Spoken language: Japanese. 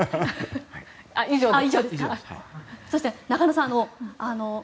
以上です。